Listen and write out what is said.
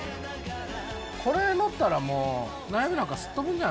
これ乗ったらもう悩みなんかすっ飛ぶんじゃないですか？